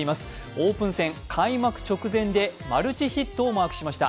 オープン戦開幕直前にマルチヒットを放ちました。